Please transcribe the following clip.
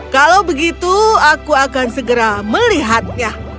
kalau begitu aku akan segera melihatnya